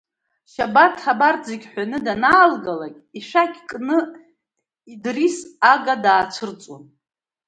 Шабаҭ абарҭқәа ҳәаны данаалгалак ишәақь кны Идрис Ага даацәырҵуан.